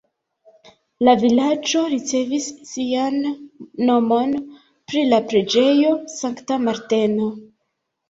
La vilaĝo ricevis sian nomon pri la preĝejo Sankta Marteno.